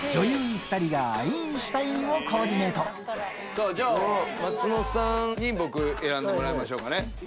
さらに松本さんに僕選んでもらいましょうかね。